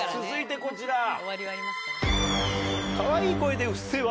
続いてこちら。